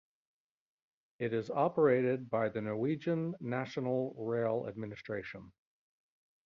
It is operated by the Norwegian National Rail Administration.